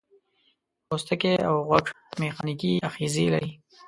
پوستکی او غوږ میخانیکي آخذې لري.